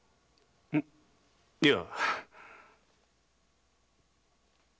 んいや。